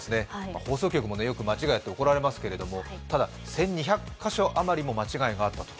放送局もよく間違いやって怒られますが、ただ１２００か所あまりも間違いがあったと。